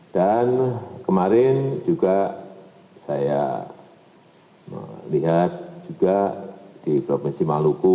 dan kemarin juga saya melihat juga di provinsi maluku